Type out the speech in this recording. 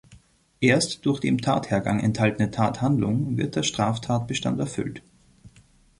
Erst durch die im Tathergang enthaltene Tathandlung wird der Straftatbestand erfüllt.